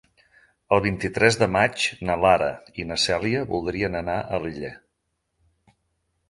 El vint-i-tres de maig na Lara i na Cèlia voldrien anar a Alella.